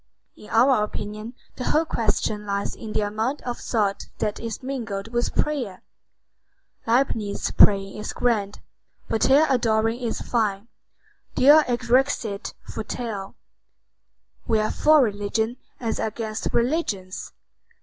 In our opinion the whole question lies in the amount of thought that is mingled with prayer. Leibnitz praying is grand, Voltaire adoring is fine. Deo erexit Voltaire. We are for religion as against religions.